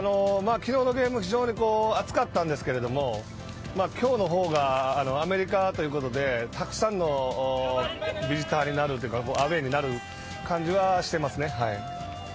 昨日のゲーム、非常に熱かったんですけども今日の方がアメリカということでたくさんのビジターになるというか、アウェーになる感じはしていますね。